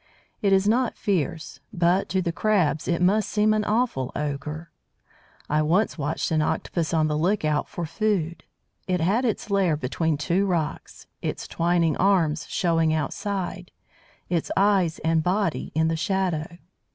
It is not fierce. But to the Crabs it must seem an awful ogre. I once watched an Octopus on the lookout for food. It had its lair between two rocks, its twining arms showing outside, its eyes and body in the shadow.